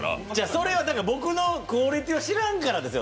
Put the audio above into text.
それはだから僕のクオリティーを知らんからですよ。